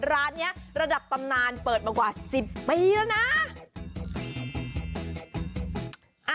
ร้านนี้ระดับตำนานเปิดมากว่า๑๐ปีแล้วนะ